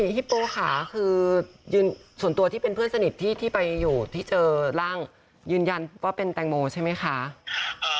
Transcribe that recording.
ฮิปโปค่ะคือส่วนตัวที่เป็นเพื่อนสนิทที่ไปอยู่ที่เจอร่างยืนยันว่าเป็นแตงโมใช่ไหมคะ